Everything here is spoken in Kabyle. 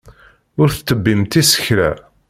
Ur tettebbimt isekla.